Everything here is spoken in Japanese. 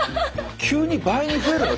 急に倍に増えるの？